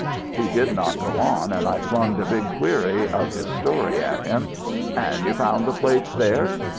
He did not go on, and I flung the big query of his story at him. "And you found the plates there?"